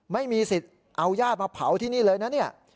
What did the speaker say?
ไม่มีสิทธิ์เอาญาติมาเผาที่นี่เลยนะเนี่ย